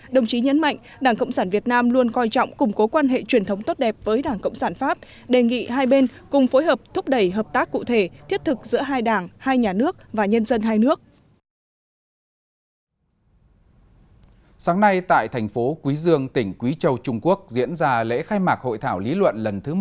đồng chí nhấn mạnh đảng cộng sản việt nam luôn coi trọng củng cố quan hệ truyền thống tốt đẹp với đảng cộng sản pháp đề nghị hai bên cùng phối hợp thúc đẩy hợp tác cụ thể thiết thực giữa hai đảng hai nhà nước và nhân dân hai nước